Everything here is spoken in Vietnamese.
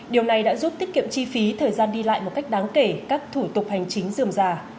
điều này đã giúp tiết kiệm chi phí thời gian đi lại một cách đáng kể các thủ tục hành chính dườm già